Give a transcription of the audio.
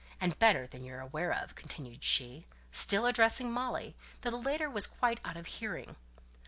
And better than you're aware of," continued she, still addressing Molly, though the latter was quite out of hearing.